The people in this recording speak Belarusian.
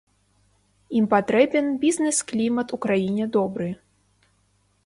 Ім патрэбен бізнес-клімат у краіне добры.